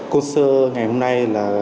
concert ngày hôm nay là